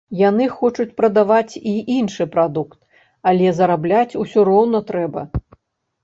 Яны хочуць прадаваць і іншы прадукт, але зарабляць ўсё роўна трэба.